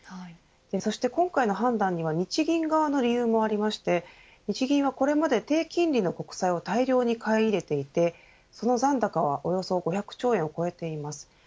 そして今回の判断には日銀側の理由もありまして日銀はこれまで、低金利の国債を大量に買い入れていてその残高はおよそ５００兆円を超えています。